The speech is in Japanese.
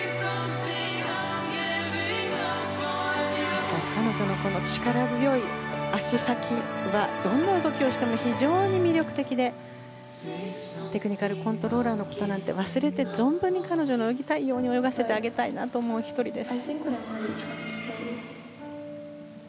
しかし彼女の力強い脚先がどんな動きをしても非常に魅力的でテクニカルコントローラーのことなんか忘れて存分に彼女の思うように泳がせてあげたいと思う１人です。